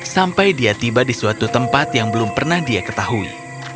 sampai dia tiba di suatu tempat yang belum pernah dia ketahui